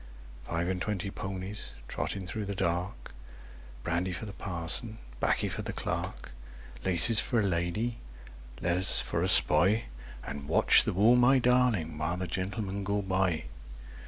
Five and twenty ponies, Trotting through the dark— Brandy for the Parson, 'Baccy for the Clerk; Laces for a lady, letters for a spy, And watch the wall, my darling, while the Gentlemen go by!